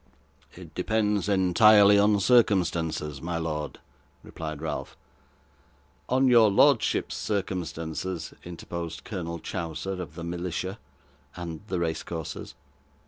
'It depends entirely on circumstances, my lord,' replied Ralph. 'On your lordship's circumstances,' interposed Colonel Chowser of the Militia and the race courses.